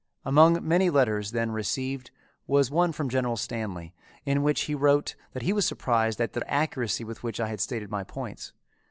Among many letters then received was one from General Stanley in which he wrote that he was surprised at the accuracy with which I had stated my points.